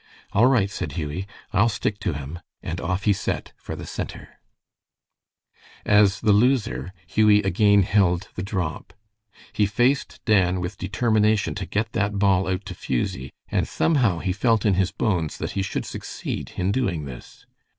"All right," said Hughie, "I'll stick to him," and off he set for the center. As the loser, Hughie again held the drop. He faced Dan with determination to get that ball out to Fusie, and somehow he felt in his bones that he should succeed in doing this.